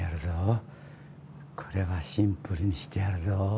これはシンプルにしてやるぞ。